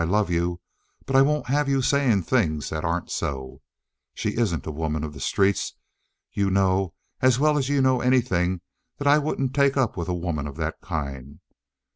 I love you, but I won't have you saying things that aren't so. She isn't a woman of the streets. You know, as well as you know anything, that I wouldn't take up with a woman of that kind.